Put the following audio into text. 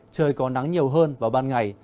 trời còn nắng nhiều hơn vào ban ngày